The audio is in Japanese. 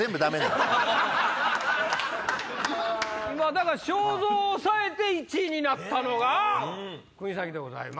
だから章造を抑えて１位になったのが国崎でございます。